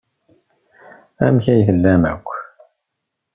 Amek ay tellamt akk?